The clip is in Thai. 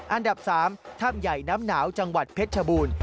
อันดับ๓ถ้ำใหญ่น้ำหนาวจังหวัดเพชรชบูรณ์